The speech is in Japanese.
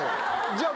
じゃあ。